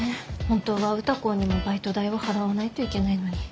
本当は歌子にもバイト代を払わないといけないのに。